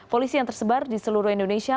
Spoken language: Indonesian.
polisi yang tersebar di seluruh indonesia